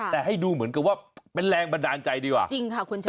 แต่ให้ดูเหมือนกับว่าเป็นแรงบันดาลใจดีกว่าจริงค่ะคุณชนะ